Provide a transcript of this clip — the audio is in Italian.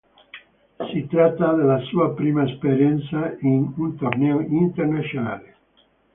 Si tratta della sua prima esperienza in un torneo internazionale.